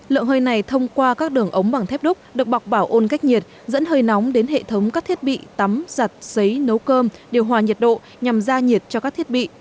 lượng hơi này thông qua các đường ống bằng thép đúc được bọc bảo ôn cách nhiệt dẫn hơi nóng đến hệ thống các thiết bị tắm giặt xấy nấu cơm điều hòa nhiệt độ nhằm ra nhiệt cho các thiết bị